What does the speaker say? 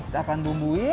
kita akan bumbuin